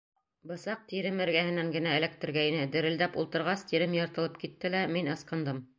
Бысаҡ тирем эргәһенән генә эләктергәйне, дерелдәп ултырғас, тирем йыртылып китте лә мин ысҡындым.